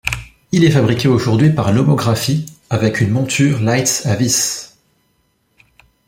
Il est fabriqué aujourd'hui par Lomography, avec une monture Leitz à vis.